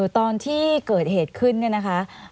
ตอนที่เกิดเหตุขึ้นเนี่ยนะคะ